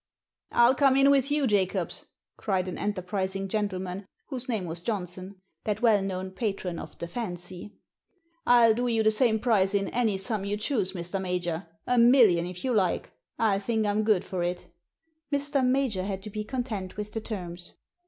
*'ril come in with you, Jacobs," cried an enter prising gentleman, whose name was Johnson — that well known patron of "the fancy." ^TU do you the same price in any sum you choose, Mr. Major — a million if you like — I think I'm good for it!" Mr. Major had to be content with the terms.